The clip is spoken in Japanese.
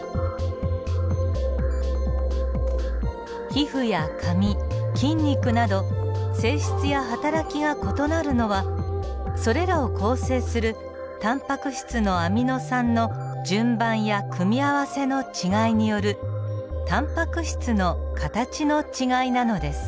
皮膚や髪筋肉など性質や働きが異なるのはそれらを構成するタンパク質のアミノ酸の順番や組み合せの違いによるタンパク質の形の違いなのです。